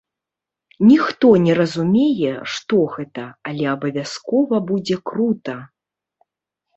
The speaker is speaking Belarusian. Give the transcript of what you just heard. Ніхто не разумее, што гэта, але абавязкова будзе крута!